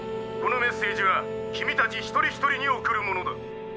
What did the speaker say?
このメッセージは君たち一人一人に送るものだ。